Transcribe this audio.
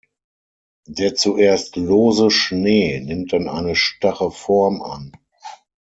Der zuerst lose Schnee nimmt dann eine starre Form an.